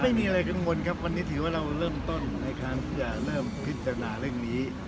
ไม่มีอะไรกังวลครับวันนี้ถือว่าเราเริ่มต้นในการที่จะเริ่มพิจารณาเรื่องนี้